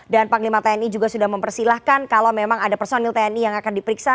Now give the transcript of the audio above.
dan panglima tni juga sudah mempersilahkan kalau memang ada personil tni yang akan diperiksa